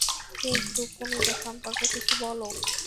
এই গ্রুপকে নিজের সম্পর্কে কিছু বলো।